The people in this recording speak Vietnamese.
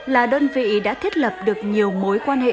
là đơn vị đã thiết lập được nhiều mối quan hệ